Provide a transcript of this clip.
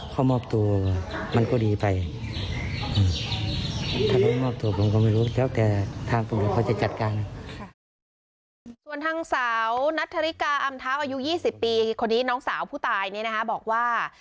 ส่วนทางสาวนัทธริกาอำทาวอายุยี่สิบปีคนนี้น้องสาวผู้ตายนะฮะบอกว่า